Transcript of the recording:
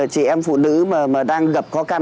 trẻ em phụ nữ mà đang gặp khó khăn